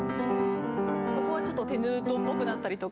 ここはちょっとテヌートぽくなったりとか。